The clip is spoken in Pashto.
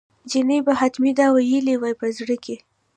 چیني به حتمي دا ویلي وي په زړه کې.